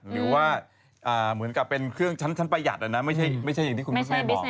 หรือว่าเหมือนกับเป็นเครื่องชั้นประหยัดนะไม่ใช่อย่างที่คุณแม่บอก